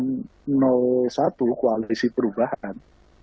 dan kemudian dari koalisi perubahan